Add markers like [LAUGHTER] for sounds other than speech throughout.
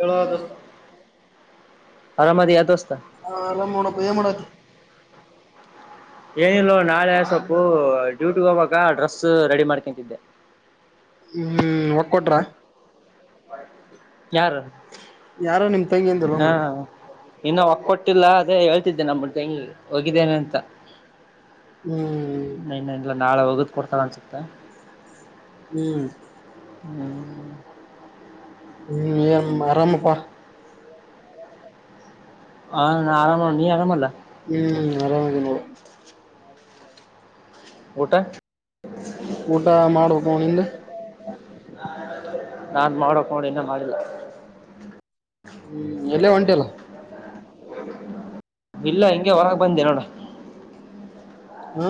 ಹೇಳೋ ಇಲ್ಲ ದೋಸ್ತ ಆರಾಮದ ಯತಸತ ಆರಾಮ್ ನೋಡಪ್ಪ ಏನ್ ಮಾಡತಿ ಏನಿಲ್ಲೋ ನಾಳೆ ಸ್ೊಪು ಡ್ಯೂಟಿ ಹೋಗವಾಗ ಡ್ರೆಸ್ ರೆಡಿ ಮಾಡ್ಕೊಂತಿದ್ದೆ ಹ್ಮ್ ಒ ಕೊೊಟ್ರ ಯಾರ ಯಾರೋ ನಿಮ್ ತಂಗಿ ಅಂದಿಲ್ಲ ಹಾ ಮಾರಾಯ ಇನ್ನುೂ ಒಕ್ಕ ಕೊೊಟ್ಟಿಲ್ಲ ಅದೇ ಹೇಳ್ ನಮ್ಮಂಗ ಹೋಗಿದ್ದೇನೆ ಅಂತ ಹ್ಮ್ ಇನ್ನ ಇಲ್ಲ ನಾಳೆ ಹೋಗದ ಕೊಡ್ತಳ ಅನ್ಸುತ್ತೆ ಹ್ಮ್ ಹ್ಮ್ ಹ್ಮ್ ಆರಾಮಪ್ಪಾ ಹಾ ನಾ ಆರಾಮ ನೀ ಆರಾಮಲ್ಲ ಹ್ಮ್್ಮ ಆರಾಮ ಗಊಟಾ ಊಟ ಮಾಡ್ಬೇಕು ಅವನಿಂದ ನಾನ್ ಮಾಡಕ್ ನೋಡಿ ಇನ್ನ ಮಾಡಿಲ್ಲ ಹ್ಮ್ ಎಲ್ಲೇ ಒಂಟ ಅಲ್ಲ ಇಲ್ಲ ಹಿಂಗಗೆ ಹೊರಗೆ ಬಂದೆ ನೋಡ ಹ್ಮ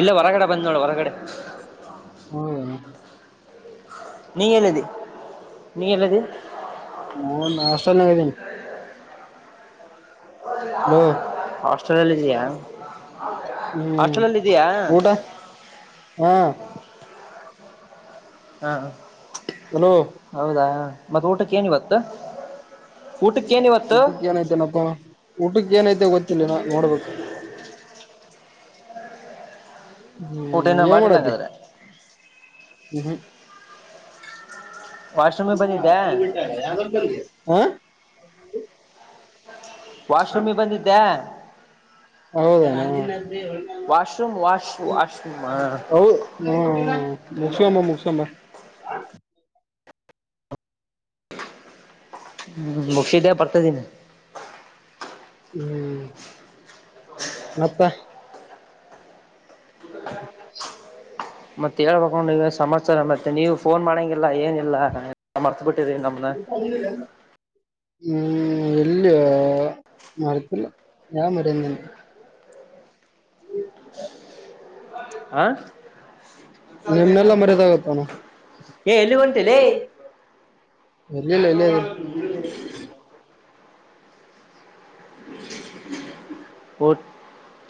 ಇಲ್ಲ ಹೊರಗಡೆ ಬಂದ್ ನೋಡ ಹೊರಗಡೆ ಹ್ಮ ನೀ ಎಳುದು ನೀ ಎಳದು ನಾ ನಷ್ಟ ನಗದನ ಹಲೋ ಆಸ್ಟ್ರೇಲಿಯಲ್ಲಿ ಜಾ ಹ್ಮ್ ಅಷ್ಟನಲ್ಲ ಇದಯಾ ಊಟ ಹಾ ಹಾ ಹಲೋ ಹೌದಾ ಮತ್ತ ಊಟಕ್ಕೆ ಏನಿವತ್ತು ಊಟಕ್ಕೆ ಏನೈತೆನಪ್ಪ ಊಟಕ್ಕೆ ಏನೈತೆ ಗೊತ್ತಿಲ್ಲ ನಾ ನೋಡ್ಬೇಕು ಊಟ ಹ್ಮ್ ನ ಏನ್ ಮಾಡತಿ ಮಾಡಿಲ್ಲಂಗಾದ್ರೆ ವಾಶ್ರೂಮಿಗೆ ಬಂದಿದ್ದೆ ಹ ಯ ಹ [INAUDIBLE] ವಾಶ್ರೂಮ್ಗೆ ಬಂದಿದ್ದೆ ಹೌದಾ ವಾಶ್ರೂಮ್ ವಾಶ್ ವಾಶ್ರೂಮ್ ಹೌ ಹ ಮುಕ್ಸಂಬ ಮುಕ್ಸಂಬ ಹೌ ಹ್ಮ್ ಮುಕ್ಷಿದೇ ಬರ್ತದೀನಿ ಹ್ಮ್ ಮತ್ತ [INAUDIBLE] ಮತ್ತೆ ಹೇಳ್ಬೇಕು ನೀ ಸಮ್ಯ ಮತ್ತೆ ನೀವವು ಫೋನ್ ಮಾಡಂಗಿಲ್ಲ ಏನಿಲ್ಲಲ್ಲ ಸಮರ್ ಬಿಟ್ಟ ರಿ ನಮ್ಮನ ಹ್ಮ್ ಎಲ್ಲಿ ಮಾಡಳ ಯಾ ಮರ ಆ ನಿಮ್ನೆಲ್ಲಾ ಮರ್ಯದಾಗತ್ತಾನ ಏ ಎಲ್ಲಿ ಉಂಟುಲ್ಲ ಇಲ್ಲಲ್ಲ ಇಲ್ಲ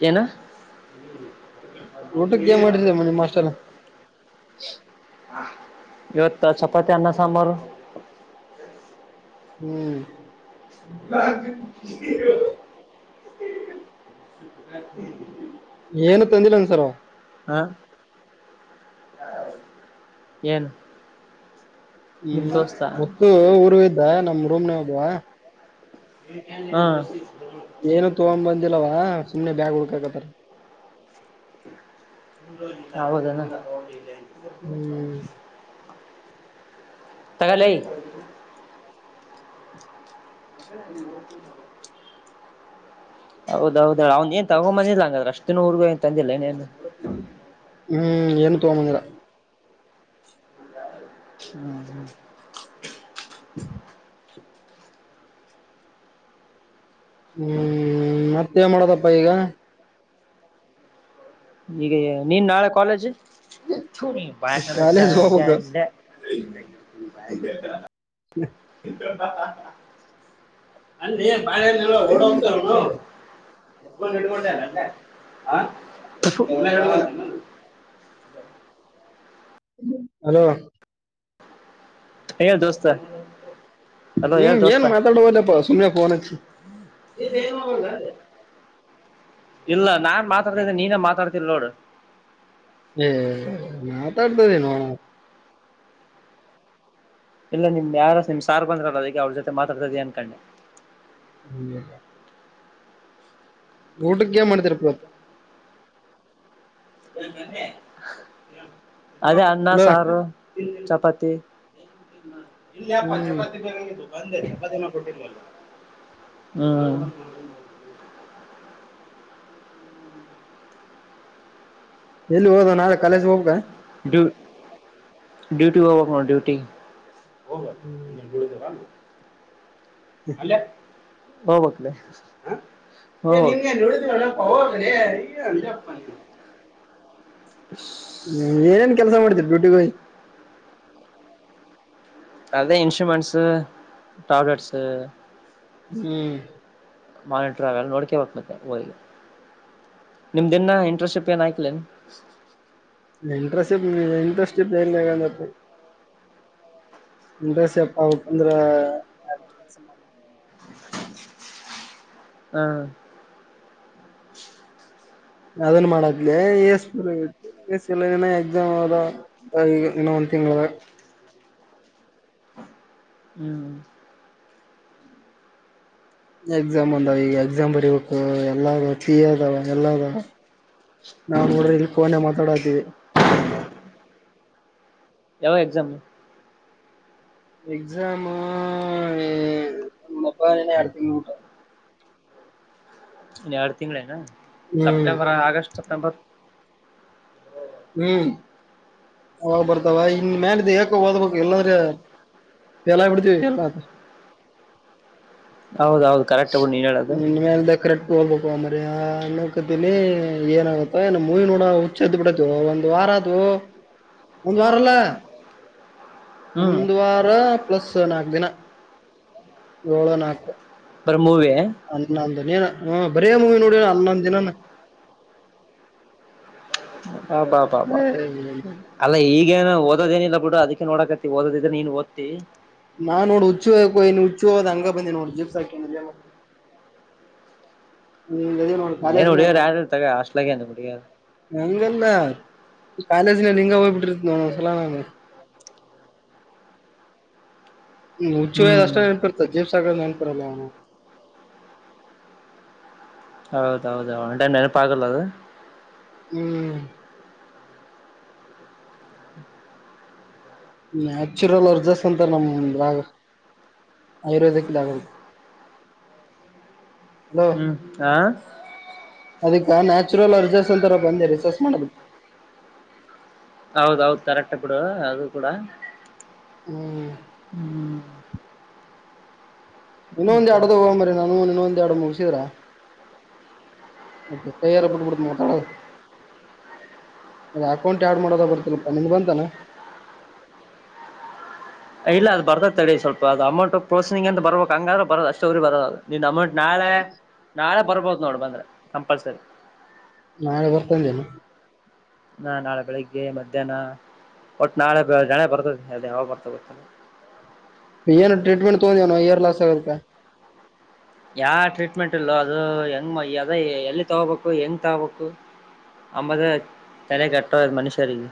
ನು ಊಟಕ್ಕೆ ಏ ಮಾಡತ ಮನೆಿ ಮಾಸ್ಟಲ್ಲ ಇವತ್ತು ಚಪಾತಿಯನ್ನ ಸಾಮಾರ ಹ್ಮ್ ನ ಹ ಏನು ತಂದಿಲ್ಲಂಗ ಸಾರೋ ಹಾ ಏನು ನಿಮ್ ಹ್ಮ್ ದೋಸ್ತ ಗತ್ತು ಊರು ಇದ್ದ ನಮ ರೂಮ್ನ ಹದ್ುವ ಹಾ ಏನು ತಗೊ್ ಬಂದಿಲ್ಲವಾ ಸುಮ್ನೆ ಬ್ಯಾಗ್ ಹುಡ್ಕಕತ್ತಾರ ಯೌದ ಹ್ಮ್ ತಗಲಲ್ಲಿ ಹೌದೌದ ಅವ್ನ್ ಏನ್ ತಗೊಂಬಂದಿಲ್ಲಂಗ್ರ ಅಷ್ಟು ಊರ್ಗ ಏನು ತಂದಿಲ್ಲ ಇನೇನು ಹ್ಮ್ ಏನು ತೋಂಬಂದರ ಹ್ಮ ಹ ಹ್ಮ್- ಮತ್ತೇ ಮಾಡದಪ್ಪ ಈಗ ಈಗ ನೀನ್ ನಾಳೆ ಕಾಲೇಜ್ ಬಯ ಕಾಲೇಜ್ ಹೋಗ್ಬೇಕು [UNINTELLIGIBLE] [INAUDIBLE] [INAUDIBLE] ಅ ಬಾಳೆಲ್ಲ ಹಊಡ [UNINTELLIGIBLE] ಎಡಿಕೊಂಡ ಅ ಹ [UNINTELLIGIBLE] ಹಲೋ ಏನು ದೋಸ್ತ ಅಲೋ ಹ್ಮ- ಹೇಳ್ ಏನ್ ದೋಸ್ತ ಮಾತಾಡಬದಪ್ಪಾ ಸುಮ್ಯ ಫೋನ್ಚ್ಚ ಇಏನು ಮಾಡಲ್ಲ [UNINTELLIGIBLE] ಇಲ್ಲ ನಾನ್ ಮಾತಾಡ್ತಿದ್ದೇ ನೀನೇ ಮಾತಾಡ್ತಿರ್ ನೋಡು. ಹ -ಮಾತಾಡ್ತರಿ ನೋಣ ಇಲ್ಲ ನಿಮ್ ಯಾರ ನಿಮ್ ಸಾರ್ ಬಂದ್ರಲ್ಲ ಈಗ ಅವ್ರ ಜೊತೆ ಮಾತಾಡ್ತ ಇದ ಅನ್ಕಂಡೆ ಹಲ್ಲ [INAUDIBLE] ಊಟಕ್ಕೆ ಮಾಡ್ [UNINTELLIGIBLE] ದರ ಪರತ್ತ ಅದೇ ಅನ್ನ ಹಲೋ ಸಾರು ಚಪಾತಿ ಹ -ಇಲ್ಲಿ ಅಪ್ಪ ಹ್ಮ್ ಚಪಾತಿ ಬೇಗ ಇದು ಬಂದೇ ಚಪ್ಪತಿನ ಕೊಟ್ಟಿಲ್ವಲ್ಲ. ಹ್ಮ್ಂ -ಹ್ಮ್ಂ ಎಲ್ಲಿ ಹೋದ ನಾಳೆ ಕಾಲೇಜ್ ಹೋಗ್ಬೇಕ [INAUDIBLE] ಡ್ಯೂಟಿ ಹೋಗ್ಬೇಕು ಡ್ಯೂಟಿ ಗ್ಗ್. ಇ [INAUDIBLE] ಹ ಮಕ್ಲ [UNINTELLIGIBLE] ನಿನ್ಗೆನ್ ನಿಳಿದವನ ಪವರ್ಗಲ ಯ್ಯ ಅಲ್ಲ ಅಪ್ಪ ಹ್ಮ -ಏನೇನ್ ಕೆಲ್ಸ ಮಾಡ್ತೀರಿ ಡುಟೀಗೆ ಹೋಗಿ ಅೇ ಇನ್ಸ್ಟ್ರರುಮೆಂಟ್ಸ ಟ್ಯಾಬ್ಲೆಟ್ಸ ಹ್ಮ್ ಮಾನಿಟ್ರ ಅವೆಲ್ಲ ನೋಡ್ಕೇ ಹೋಗಕ್ ಮತ್ತೆ ಹೋಗಿ ನಿಮ್ದೆನ್ನ ಇಂಟ್ರಶಿಪ್ ಏನ್ ಆಯಕ್ಲ. ಇಂಟ್ರೆಸ್ಟ್ ಇಂಟ್ರೆಸ್ಟ್ [UNINTELLIGIBLE] ದಸಪ್ಪಾ ಪಂದ್ರ ಮ [UNINTELLIGIBLE] ಹ್ಮ ಯಾವದನ್ ಮಾಡದ್ಲ ಯಸ್ಪ ಎ- ಎಲ್ಲ ದಿನ ಎಕ್ಸಾಮ್ ಅದ ಈಗ ಇನ್ನ ಒಂದ್ ತಿಂಗಳದಾಗ ಹ್ಮ್ ಎಕ್ಸಾಮ್ ಅಂದಾವ ಈಗ ಎಕ್ಸಾಮ್ ಬರಿಬೇಕು ಎಲ್ಲ ಅದಾವ ಎಲ್ಲ ಅದಾವ ನಾವು ನೋಡ್ರ ಇಲ್ಲಿ ಕೋನ ಮಾತಾಡಾತೀವಿ. ಯಾವ ಎಕ್ಸಾಮ್. ಎಕ್ಸಾಮ ಎ ಬಪ್ಪ ಇನ್ನ ಯಾಡ್ ತಿಂಗಳ ಬಿಟ್ಟ ಅಡ್ ಇ- ಎರಡು ತಿಂಳನಾ ಹ್ಮ್ ಸೆಪ್ಟೆಂಬರ್ ಆಗಸ್ಟ್ ಸೆಪ್ಟೆಂಬರ್. ಹ್ಮ್ ಅವ ಬರ್ತಾವ ಇನ್ ಮೇಾಲಿದ್ದ ಯಾಕ ಓದ್ಬೇಕು ಎಲ್ಲದ್ರೆ. ಎಲ್ಲ ಇ ಬಿಡ್ತಿ. ಹೌದೌದು ಕರೆಕ್ಟ್ ಬಿಡು ನೀನ್ ಹೇಳೋದು ನಿದಖರದ ಪು ಭಕ್ ಮ [UNINTELLIGIBLE] ಅ ನೋಕತೀನಿ ಏನಾಗುತ್ತೋ ಏ ಮೂವಿ ನೋಡ ಸ್ದ ಬಿಡತು ಒಂದ್ ವಾರ ಆದದು ಒಂದ್ ವಾರಲ್ಲ. ಹ್ಮ್ ಒಂದು ವಾರ ಪ್ಲಸ್ ನಾಕು ದಿನ ಏಳು ನಾಕು ಬರಿ ಮೂವಿ ಅನ್ನೊಂದು ನೀನ ಹ ಬರೇ ಮೂವಿ ನೋಡಣ ಅಲ್ಲೊಂದಿನಾನ ಹಾಬಾ ಬಬಾ ಅಲ್ಲ ಈಗೇನೋ. ಓದೇನಿಲ್ಲ ಬಿಡ ಅದಕ್ಕೆ ನೋಡಕತಿ ಓದ ಇದ್ರ ನೀನ್ ಓದ್ತಿ ನಾ ನೋಡ್ ಹುಚ್ಚು ಹೋಯಾಕ್ ಹೋಗಿನ್ ಹುಚ್ಚು ಹೋದ ಹಂಗ ಬಂದಿ ನೋಡ್ ಜಿಪ್ಸ್ ಹಾಕ [UNINTELLIGIBLE] ಇಲ್ಲೇನ್ ಕಾಲೇಜ್ನ ಹುಡುಗಿಯರ್ ಯಾರ ತಗ ಹಾಸ್ಟ್ಲಾಗ ಏನ್ ಹುಡುಗಿಯರ್ ನಂಗಲ್ಲ ಕಾಲೇಜ್ನ ಹಿಂಗ ಹೋಗ್ಬಿಟ್ಟಿತ [UNINTELLIGIBLE] ನಾನು ಹ್ಮ್ ಹುಚ್ಚು ವಯದ ಅಷ್ಟೇ ಹ್ಮ್ ನೆನ್ಪಿರ್ತ ಜೇಮ್ಸ್ ನೆನ್ಪಿರಲ್ಲ ಅವ ಹೌದ ಹೌದೌದು ಒನ್ಟೈಮ್ ನೆನಪಾಗಲ್ ಅದು ಹ್ಮ್ ನ್ಯಾಚುರಲ್ ವ್ರಜಸ್ ಅಂತ ನಮದ್ರಾಗ ಆಯುರ್ವೇದಕ್ ಲಾಗಲ್ ಹ್ಮ್ ಆ ಅದಕ್ಕೆ ನ್ಯಾಚುರಲ್ ಅರ್ಜರ್ಸ್ ಅಂತರ ಬಂದು ರಿಸರ್ಚ್ ಮಾಡೋದು ಹೌದೌದು ಕರೆಕ್ಟ್ ಬಿಡು ಅದು ಕೂಡ ಹ್ಮ್ ಹ್ಮ್ ಇನ್ನೊಂದ್ ಎರಡ್ದ [UNINTELLIGIBLE] ನಾನು ಇನ್ನೊಂದ್ ಎರಡು ಮೂರು ಸೇರಿ ಕೈಯಾರ ಬಿಟಿಬಿಡ್ತೀನ್ ಓ ತಾಳ ಅ ಅಕೌಂಟ್ ಆಡ್ ಮಾಡೋದ ಬರ್ತರಪ್ಪಾ ನಿನ್ ಬಂತಾನ ಇಲ್ಲ ಅದು ಬರ್ತ ತಡೆ ಸ್ವಲ್ಪ ಅದು ಅಮೌಂಟ್ ಪ್ರಸಿಂಗ್ ಅಂತ ಬರಬೇಕು ಅಂಗಾರ ಬರದ ಅಷ್ಟ ಅವ್ರ ಬರಲ್ಲ ನಿನ್ನ ಅಮೌಂಟ್ ನಾಳೆ ನಾಳೆ ಬರ್ಬೋದು ನೋಡು ಬಂದ್ರೆ ಕಂಪಲ್ಸರಿ ನಾಳೆ ಬರ್ತಿ ಅಂದೆನು ನಾ ನಾಳೆ ಬೆಳಿಗ್ಗೆ ಮಧ್ಯಾಹ್ನ ಒಟ್ಟು ನಾಳೆ [UNINTELLIGIBLE] ಬರ್ತದೆ ಯಾಗ ಬರ್ತ ಗೊತ್ತ ಏನು ಟ್ರೀಟ್ಮೆಂಟ್ ತಗೊಂದವನೋ ಇಯರ್ ಲಾಸ್ ಆಗದಕ್ಕ ಯಾ ಟ್ರೀಟ್ಮೆಂಟ್ ಇಲ್ಲೋ ಅದು ಹೆಂಗ್ ಅದ ಎಲ್ಲಿ ತಗೋಬೇಕು ಹೆಂಗ್ ತಗಬೇಕು ಆಂಬದೆ ತಲೆ ಕೆಟ್ಟೋ ಮನುಷ್ಯರಿಗೆ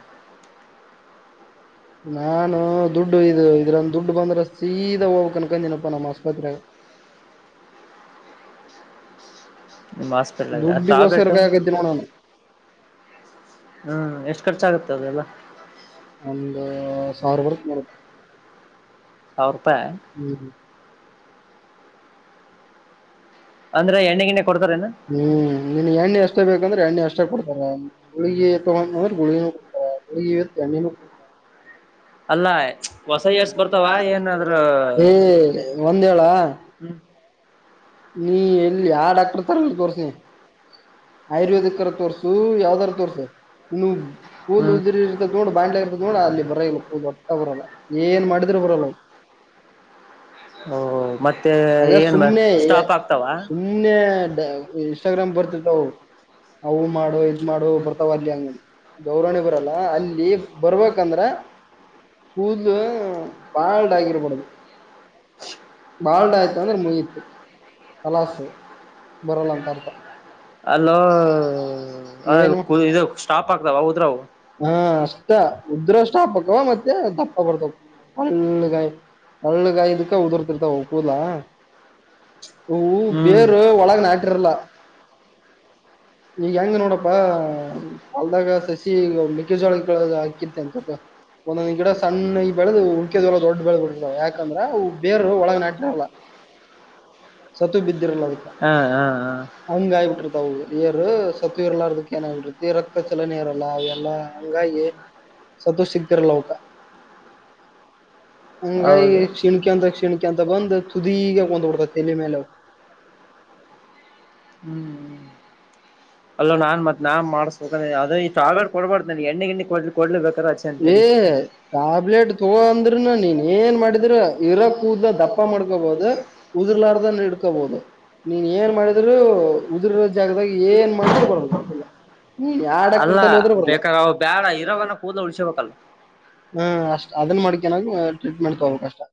ನಾನು ದುಡ್ಡು ಇದು ಇದ್ರಂದ ದುಡ್ಡು ಬಂದ್ರ ಸೀದಾ ಹೋಗ್ಬೇಕಂನ್ಕೊಂದಿನಪ್ಪ ನಮ್ಮ್ ಆಸ್ಪತ್ರೆಗ ನಿಮ್ಮಸ್ಪಿಟ್ಲ ದುಡ್ಡಿಗೋಸ್ಕರ ತಾಬ್ಲೆಟ್ಟು ಕಾಯಕತ್ತೀನಿ ನೋಡ್ ನಾನು ಹ್ಮ್ ಎಷ್ಟು ಖರ್ಚ ಆಗುತ್ತೆ ಅದೆಲ್ಲ ಒಂದು ಸಾವಿರ ಬರುತ್ ನೋಡುಪ್ ಅವ್ರ್ ಹ್ಮ್ ಅಂದ್ರೆ ಎಣ್ಣೆಗಿಣ್ಣೆ ಹ್ಮ್ ನಿನಗ್ ಎಣ್ಣೆ ಎಷ್ಟ ಬೇಕಂದ್ರೆ ಎಣ್ಣೆ ಎಷ್ಟ ಕೊಡ್ತಾರೆ ಗುಳಗಿ ತೊಗೊಂಡ ಅಂದ್ರೆ ಗುಳಗಿ [UNINTELLIGIBLE] ಎಣ್ಣಿನು ಕೊಡ್ತರ್ ಅಲ್ಲ ಹೊಸ ಇಯರ್ಸ್ ಬರ್ತಾವ ಏನಾದ್ರೂ ಏ ಒಂದೇಳ ಹ್ಮ್ ನೀ ಎಲ್ಲಿ ಯಾ ಡಾಕ್ಟರ್ ತರ ತೋರ್ಸಿ ಆಯುರ್ವೇದಿಕ್ ಅರ ತೋರ್ಸು ಯಾವ್ದಾರ ತೋರ್ಸ ನೀ ಕೂದಲು ಹ್ಮ್ ಉದರಿ ಇರ್ತದ ನೋಡ ಬಾಣ್ಲೆ ಇರ್ದ ನೋಡ ಅಲ್ಲಿ ಬರೋ ಇಲ್ಲ ಕ ಹೊಟ್ಟ ಬರಲ್ಲ ಏನ್ ಮಾಡಿದ್ರು ಬರಲವು ಓ ಮತ್ತೆ ಆಗ ಏನ್ ಮ ಸುಮ್ನೆ ಸ್ಟಾಪ್ ಆಗ್ತಾವ ಸುಮ್ನೆ ಇನ್ಸ್ಟಾಗ್ರಾಮ್ ಬರ್ತಿತವು ಅವು ಮಾಡು ಇದ್ ಮಾಡು ಬರ್ತಾವಲ್ಲಿ ಹಂಗ್ ದೇವರಾಣಿ ಬರಲ್ಲ ಅಲ್ಲಿ ಬರ್ಬೇಕಂದ್ರ ಕೂದಲು ಪಾಲ್ಡ್ ಆಗಿರಬಾರ್ದು ಬಾಲ್ಡ ಆಯ್ತ ಅಂದ್ರೆ ಮುಗಿತ್ ಕಲಾಸು ಬರಲ್ಲ ಅಂತ ಅರ್ಥ ಅಲ್ಲೋ ಏನು [UNINTELLIGIBLE] ಸ್ಟಾಪ್ ಆಗ್ತಾವ ಉದ್ರವು ಹಾ ಅಷ್ಟ ಉದ್ರಕ್ ಸ್ಟಾಪ್ ಆಗ್ತಾವ್ ಮತ್ತೆ ದಪ್ಪ ಬರ್ತಕವ್ [UNINTELLIGIBLE] ಹಳ್ಳಗಾಯದಕ್ಕ ಉದುರ್ತಿರ್ತಾವ ಕೂದ್ಲ ಹ ಹ್ಮ್ ಬೇರ್ ಒಳಗ ನಾಟಿರಲ್ಲ ಈಗ ಹೆಂಗ ನೋಡಪ್ಪಾ ಕಲ್ದಾಗ ಸಸಿ ಮಿಕ್ಕ ಜೋಳ ಹಾಕಿರ್ತಿ ಅಂತಪ್ಪ ಒಂದೊಂದ್ ಗಿಡ ಸಣ್ಣ ಈಗ್ ಬೆಳೆದು ಉಳಕೆದಳ ದೊಡ್ಡ ಬೆಳೆದು ಬಿಟ್ಟತಾವ ಯಾಕಂದ್ರೆವು ಬೇರರು ಒಳಗ್ ನಾಟಿನಾರಲ್ಲ ಸತ್ತು ಬಿದ್ದಿರಲ ಅದಕ್ಕ ಹಾ ಹಾ ಹಾ ಅವಂಗಾಯಬಿಟಿರ್ತವುು ಏರು ಸತ್ತು ಇರ್ಲಾರದಕ್ಕೆ ಏನಾಗಿತಿ ರಕ್ತ ಚಲನೆ ಇರಲ್ಲ ಅವೆಲ್ಲಾ ಹಂಗಾಗಿ ಸದು ಶಕರ ಲವಕ ಹಂಗ ಈ ಹೌದು ಶಿಣಕಿ ಅಂತ ಶಿಣಕಿ ಅಂತ ಬಂದ್ ತುದೀಗಕೊಂಡಬಡ್ತ ತೆಲಿ ಮೇಲೆ [INAUDIBLE] ಹ್ಮ್ ಅಲ್ಲೋ ನಾನ್ ಮತ್ ನಾನ್ ಮಾಡ್ಸ್ಬೇಕ ಅದ ಈ ಸಾವೇರ್ ಕೊಡ್ಬಾರ್ದ ಎಣ್ಣೆ ಗಣ್ಣ ಕೊ ಏ ಟ್ಯಾಬ್ಲೆಟ್ ತ ಅಂದ್ರ ನ ನೀನ್ ಏನ್ ಮಾಡಿದ್ರ ಇರೋ ಕೂದಲು ದಪ್ಪ ಮಾಡ್ಕೋಬಹುದು ಉದರ್ಲಾರ್ದ ಹಡ್ಕೋಬಹುದು ನೀನ್ ಏನ್ ಮಾಡಿದ್ರರು ಉದುರ ಜಾಗದಾಗ ಏನ್ ಮಾಡಿದ್ರರು ಬರಬೇಕಲ್ಲ ಹ್ಮ್ ಯಾ ಅಲ್ಲ ಡಕ್ಟ್ರತಲ್ಲಿ ಹೋದ್ರ ಬರ್ಲ ಬೇಕಾರ ಅವ ಬೇಡ ಇರೋವನ್ನ ಕೂದಲ ಉಳ್ಸಬೇಕಲ್ಲ ಹ್ಮ ಅಷ್ಟ್ ಅದನ್ ಮಾಡ್ಕನಾಗ ಟ್ರೀಟ್ಮೆಂಟ್ ತಗೋಕ್ ಅಷ್ಟ